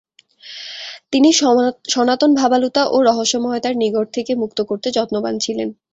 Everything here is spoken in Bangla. তিনি সনাতন ভাবালুতা ও রহস্যময়তার নিগড় থেকে মুক্ত করতে যত্নবান ছিলেন।